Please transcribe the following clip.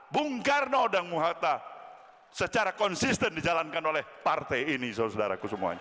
bung karno dan muhata secara konsisten dijalankan oleh partai ini saudara saudaraku semuanya